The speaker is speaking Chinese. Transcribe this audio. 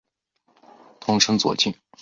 通称左近。